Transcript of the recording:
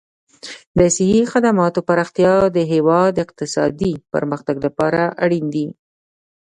د صحي خدماتو پراختیا د هېواد اقتصادي پرمختګ لپاره اړین دي.